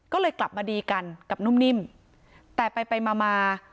ก็เลยกลับมาดีกันกับนุ่มนิ่มแต่ไปไปมามา